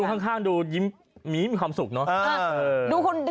คุณลุงข้างดูยิ้มมีความสุขเนาะ